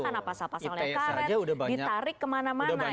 karena pas pas pas oleh karen